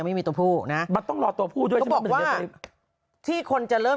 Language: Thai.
นี่คือไฟสีมวงใช่ไหม